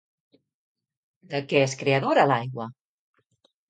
De què és creadora l'aigua?